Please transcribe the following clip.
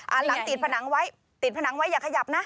หลังติดผนังไว้ติดผนังไว้อย่าขยับนะ